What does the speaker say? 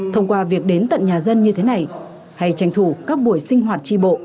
thông qua việc đến tận nhà dân như thế này hay tranh thủ các buổi sinh hoạt tri bộ